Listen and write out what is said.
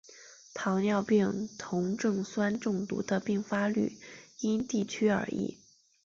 糖尿病酮症酸中毒的病发率因地区而异。